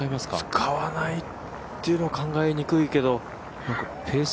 使わないっていうのは考えにくいけど。